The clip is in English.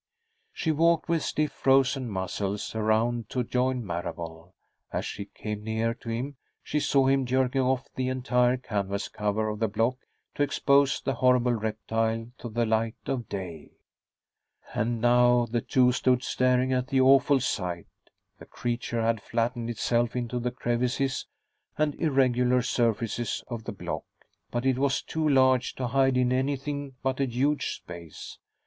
She walked, with stiff, frozen muscles, around to join Marable. As she came near to him, she saw him jerking off the entire canvas cover of the block to expose the horrible reptile to the light of day. And now the two stood staring at the awful sight. The creature had flattened itself into the crevices and irregular surfaces of the block, but it was too large to hide in anything but a huge space.